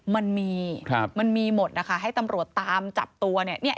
มันมีมันมีหมดนะคะให้ตำรวจตามจับตัวเนี่ย